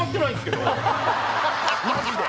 マジで。